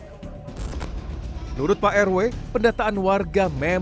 menurut pak rw pendataan warga memang tidak berhasil